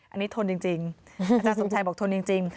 อันนี้ทนจริงอาจารย์สมชัยบอกทนจริง